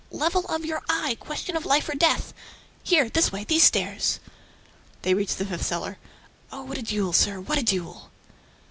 Level of your eye! Question of life or death! ... Here, this way, these stairs!" They reached the fifth cellar. "Oh, what a duel, sir, what a duel!"